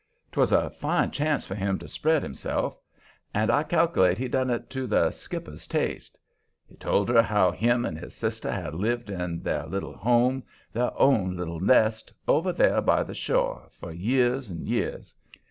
'Twas a fine chance for him to spread himself, and I cal'late he done it to the skipper's taste. He told her how him and his sister had lived in their little home, their own little nest, over there by the shore, for years and years.